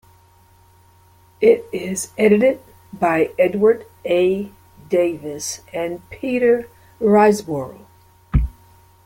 It is edited by Edward A. Davis and Peter Riseborough.